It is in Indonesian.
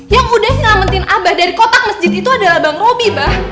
yang udah ngelametin abah dari kotak masjid itu adalah bang robi mbah